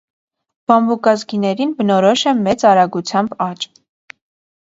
Բամբուկազգիներին բնորոշ է մեծ արագությամբ աճ։